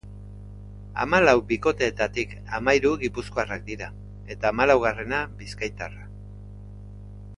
Hamalau bikoteetatik hamahiru gipuzkoarrak dira, eta hamalaugarrena, bizkaitarra.